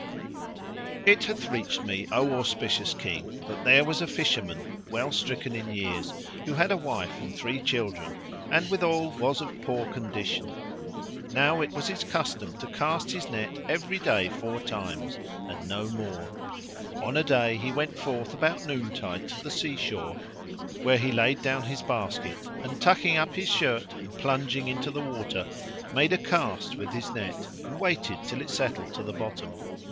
It hath reached me, O auspicious King, that there was a Fisher man well stricken in years who had a wife and three children, and withal was of poor condition. Now it was his custom to cast his net every day four times, and no more. On a day he went forth about noontide to the sea shore, where he laid down his basket; and, tucking up his shirt and plunging into the water, made a cast with his net and waited till it settled to the bottom.